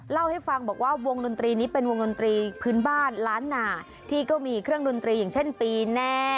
เล่าให้ฟังบอกว่าวงดนตรีนี้เป็นวงดนตรีพื้นบ้านล้านหนาที่ก็มีเครื่องดนตรีอย่างเช่นปีแน่